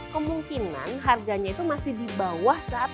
kemungkinan harganya itu masih di bawah saat